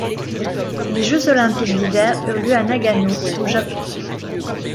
Les Jeux olympiques d'hiver eurent lieu à Nagano, au Japon.